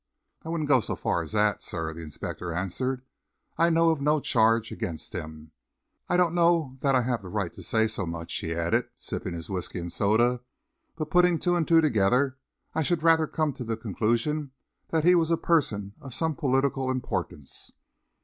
"I wouldn't go so far as that, sir," the inspector answered. "I know of no charge against him. I don't know that I have the right to say so much," he added, sipping his whisky and soda, "but putting two and two together, I should rather come to the conclusion that he was a person of some political importance."